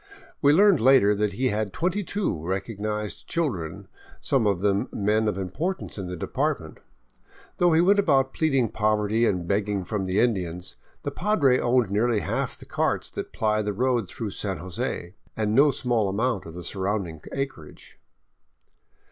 We learned later that he had twenty two recognized chil dren, some of them men of importance in the department. Though he went about pleading poverty and begging from the Indians, the padre owned nearly half the carts that ply the road through San Jose, and no small amount of the surrounding acreage.